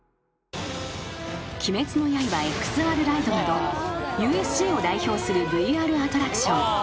［鬼滅の刃ＸＲライドなどＵＳＪを代表するＶＲアトラクション］